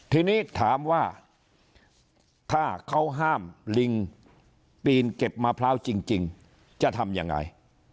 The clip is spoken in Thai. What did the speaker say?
ทีนี้ถามว่าถ้าเขาห้ามลิงปีนเก็บมะพร้าวจริงจะทำยังไง